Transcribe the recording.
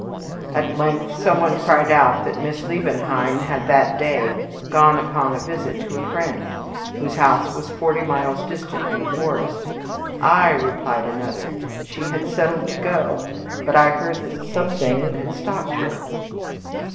At length some one cried out that Miss Liebenheim had that day gone upon a visit to a friend, whose house was forty miles distant in the forest. "Aye," replied another," she had settled to go; but I heard that something had stopped her."